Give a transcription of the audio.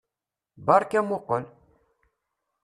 Beṛka amuqqel!